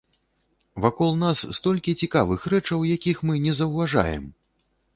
Вакол нас столькі цікавых рэчаў, якіх мы не заўважаем!